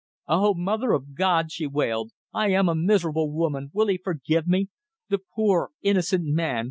"Oh! Mother of God!" she wailed. "I am a miserable woman. Will he forgive me? The poor, innocent man.